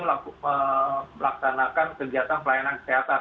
melaksanakan kegiatan pelayanan kesehatan